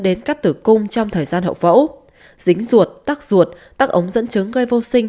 đến cắt tử cung trong thời gian hậu phẫu dính ruột tắc ruột tắc ống dẫn chứng gây vô sinh